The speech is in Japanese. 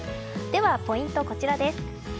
では、ポイントはこちらです。